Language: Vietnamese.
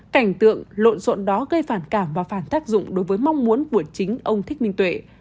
cảnh tượng lộn rộn đó gây phản cảm và phản tác dụng đối với mong muốn của chính ông thích minh tuệ